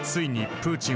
プーチン！